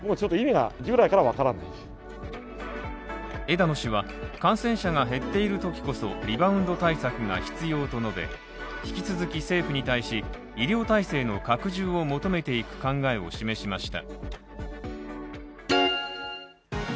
枝野氏は感染者が減っているときこそ、リバウンド対策が必要と述べ、引き続き政府に対し、医療体制の拡充を求めていく考えを示しました。